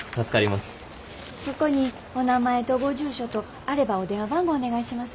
ここにお名前とご住所とあればお電話番号お願いします。